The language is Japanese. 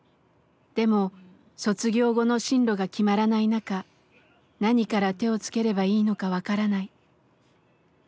でも卒業後の進路が決まらない中何から手を付ければいいのか分からない。